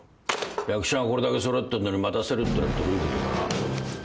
役者がこれだけ揃ってるのに待たせるってのはどういうことかな。